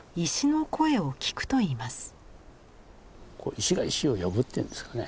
石が石を呼ぶっていうんですかね。